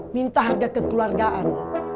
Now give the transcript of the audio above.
minta harga kekeluargaan